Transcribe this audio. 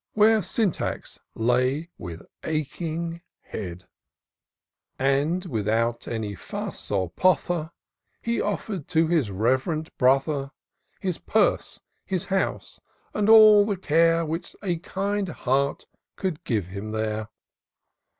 Where Syntax lay with aching head; And, without any fuss or pother. He offer'd to his rev'rend brother His purse, his house, and all the care Which a kind heart could give him there.